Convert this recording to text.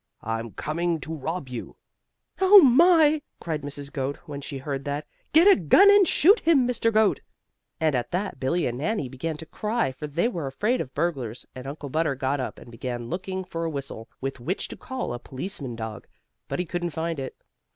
"I'm coming to rob you." "Oh, my!" cried Mrs. Goat, when she heard that. "Get a gun, and shoot him, Mr. Goat." And at that Billie and Nannie began to cry, for they were afraid of burglars, and Uncle Butter got up, and began looking for a whistle, with which to call a policeman dog, but he couldn't find it.